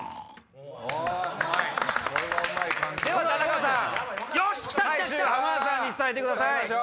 では田中さん浜田さんに伝えてください。